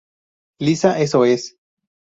Lisa, eso es.